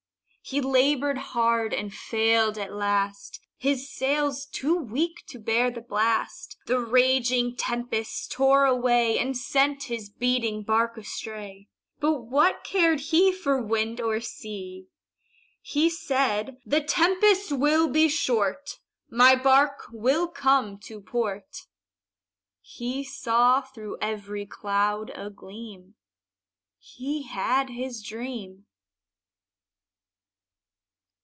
He labored hard and failed at last, His sails too weak to bear the blast, The raging tempests tore away And sent his beating bark astray. But what cared he For wind or sea! He said, "The tempest will be short, My bark will come to port." He saw through every cloud a gleam He had his dream.